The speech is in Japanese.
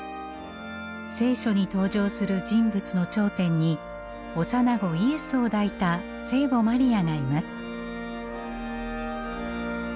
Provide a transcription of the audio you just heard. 「聖書」に登場する人物の頂点に幼子イエスを抱いた聖母マリアがいます。